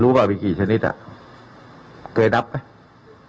เปล่ามีกี่ชนิดอ่ะเคยนับไหม